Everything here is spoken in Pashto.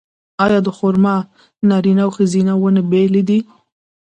آیا د خرما نارینه او ښځینه ونې بیلې دي؟